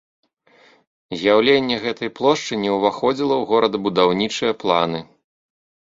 З'яўленне гэтай плошчы не ўваходзіла ў горадабудаўнічыя планы.